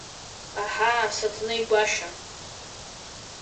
Аҳаа, Саҭанеи-Гәашьа!